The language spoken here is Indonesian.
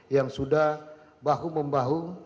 yang sudah bahu membahu